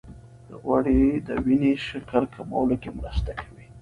غوړې د وینې شکر کمولو کې مرسته کوي.